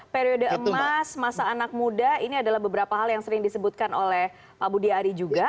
periode emas masa anak muda ini adalah beberapa hal yang sering disebutkan oleh pak budi ari juga